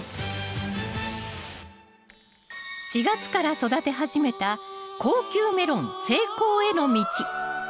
４月から育て始めた高級メロン成功への道。